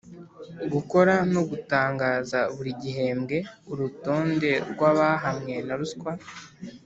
gukora no gutangaza buri gihembwe urutonde rw’abahamwe na ruswa